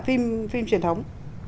phim truyền thống